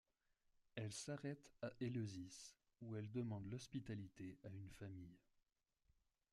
Elle s'arrête à Éleusis, où elle demande l'hospitalité à une famille.